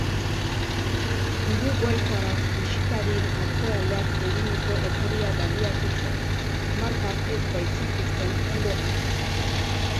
Uruguaitarrak bisitarien atzealdeak eginiko oparia baliatu zuen, markak ez baitzituzten ondo hartu.